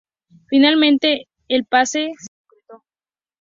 Finalmente el pase se concretó.